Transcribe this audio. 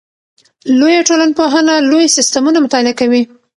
لویه ټولنپوهنه لوی سیستمونه مطالعه کوي.